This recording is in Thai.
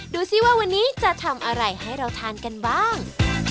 ดูสิว่าวันนี้จะทำอะไรให้เราทานกันบ้าง